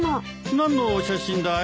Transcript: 何の写真だい？